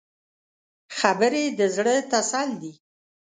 خبرې د زړه تسل دي